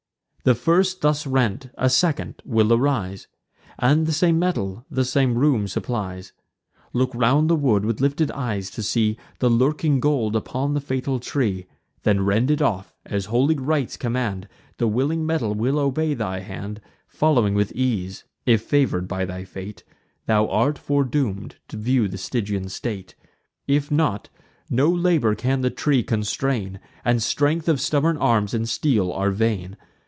The first thus rent a second will arise, And the same metal the same room supplies. Look round the wood, with lifted eyes, to see The lurking gold upon the fatal tree: Then rend it off, as holy rites command; The willing metal will obey thy hand, Following with ease, if favour'd by thy fate, Thou art foredoom'd to view the Stygian state: If not, no labour can the tree constrain; And strength of stubborn arms and steel are vain.